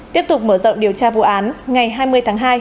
tiếp tục mở rộng điều tra vụ án ngày hai mươi tháng hai